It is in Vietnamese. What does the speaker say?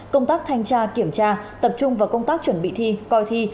công tác thanh tra kiểm tra tập trung vào công tác chuẩn bị thi coi thi